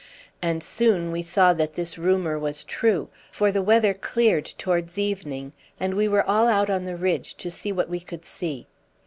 And soon we saw that this rumour was true; for the weather cleared towards evening, and we were all out on the ridge to see what we could see.